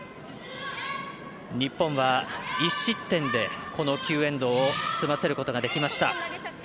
日本は１失点でこの９エンドを済ませることができました。